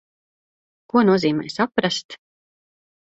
Ko nozīmē saprast?